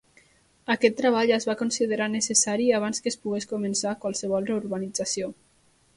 Aquest treball es va considerar necessari abans que es pogués començar qualsevol reurbanització.